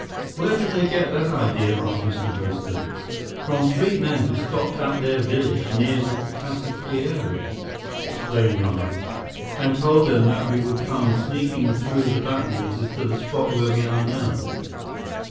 "Where did they get that idea?" asked Mr. Brewster. "From three men who stopped at their village near the Casiquiare," explained Nara, "and told them that we would come sneaking through the backwaters to the spot where we are now."